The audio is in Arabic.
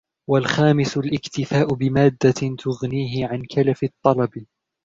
وَالْخَامِسُ الِاكْتِفَاءُ بِمَادَّةٍ تُغْنِيهِ عَنْ كَلَفِ الطَّلَبِ